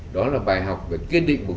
đó là bài học về kiên định quốc tế